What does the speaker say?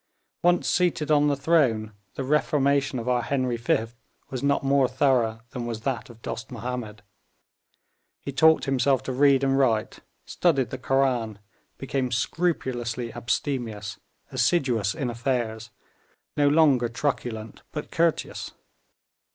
Once seated on the throne, the reformation of our Henry Fifth was not more thorough than was that of Dost Mahomed. He taught himself to read and write, studied the Koran, became scrupulously abstemious, assiduous in affairs, no longer truculent but courteous.